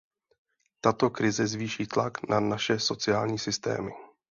Tato krize zvýší tlak na naše sociální systémy.